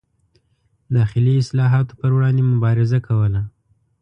داخلي اصلاحاتو پر وړاندې مبارزه کوله.